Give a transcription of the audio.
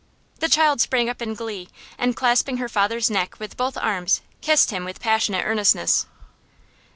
The child sprang up in glee, and clasping her father's neck with both arms kissed him with passionate earnestness.